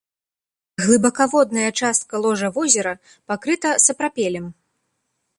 Глыбакаводная частка ложа возера пакрыта сапрапелем.